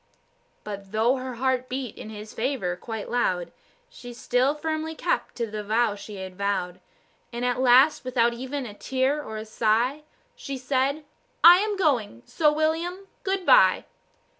But though her heart beat in his favour quite loud, She still firmly kept to the vow she had vowed; And at last, without even a tear or sigh, She said, "I am going, so, William, goodbye."